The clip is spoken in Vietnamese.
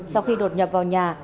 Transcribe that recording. sau khi đột nhập vào nhà